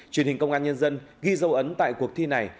truyền hình công an nhân dân ghi dấu ấn tại cuộc thi này